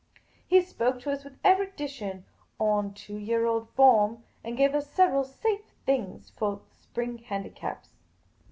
He spoke to us with erudition on " two year old form," and gave us several " safe things " for the spring handicaps.